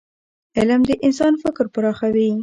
علم د انسان فکر پراخوي.